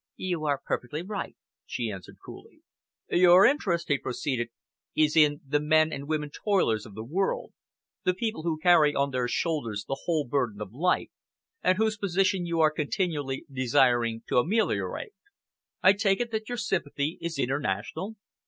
"You are perfectly right," she answered coolly. "Your interest," he proceeded, "is in the men and women toilers of the world, the people who carry on their shoulders the whole burden of life, and whose position you are continually desiring to ameliorate. I take it that your sympathy is international?"